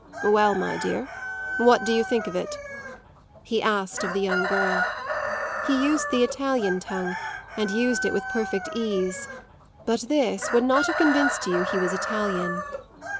"Well, my dear, what do you think of it?" he asked of the young girl. He used the Italian tongue, and used it with perfect ease; but this would not have convinced you he was Italian.